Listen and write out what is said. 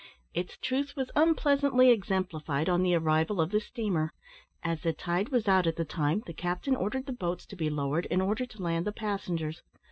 Its truth was unpleasantly exemplified on the arrival of the steamer. As the tide was out at the time, the captain ordered the boats to be lowered, in order to land the passengers.